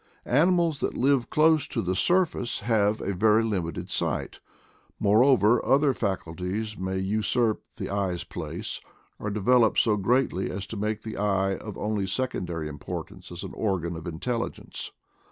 Animals that live close to the surface have a very limited sight. Moreover, other facul ties may usurp the eye's place, or develop so greatly as to make the eye of only secondary im portance as an organ of intelligence.